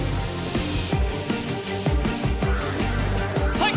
はい！